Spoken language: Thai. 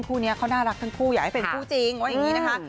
คู่นี้เขาน่ารักทั้งคู่อยากให้เป็นคู่จริงว่าอย่างนี้นะคะ